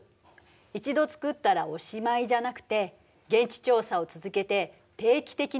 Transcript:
一度作ったらおしまいじゃなくて現地調査を続けて定期的に更新しているのよ。